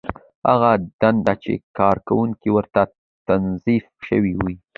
هغه دنده چې کارکوونکی ورته توظیف شوی وي.